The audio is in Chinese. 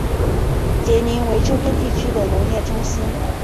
杰宁为周边地区的农业中心。